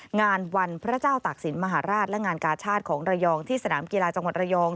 งานวันพระเจ้าตากศิลปมหาราชและงานกาชาติของระยองที่สนามกีฬาจังหวัดระยอง